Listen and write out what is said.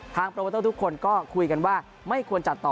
โปรโมเตอร์ทุกคนก็คุยกันว่าไม่ควรจัดต่อ